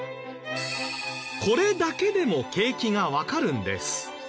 これだけでも景気がわかるんです。